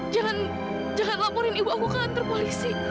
jangan laporin ibu aku ke kantor polisi